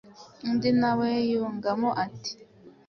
undi nawe yungamo ati